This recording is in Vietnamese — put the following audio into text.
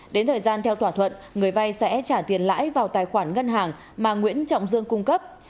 đến thời gian theo thỏa thuận người vay sẽ trả tiền lãi vào tài khoản ngân hàng mà nguyễn trọng dương cung cấp